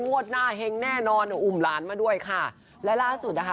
งวดหน้าเฮงแน่นอนอุ่มหลานมาด้วยค่ะและล่าสุดนะคะ